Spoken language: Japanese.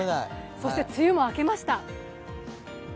そして、梅雨も明けました。